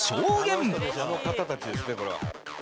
「あの方たちですねこれは」